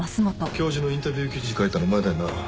教授のインタビュー記事書いたのお前だよな？